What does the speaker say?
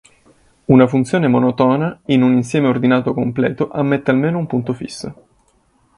Una funzione monotona in un insieme ordinato completo ammette almeno un punto fisso.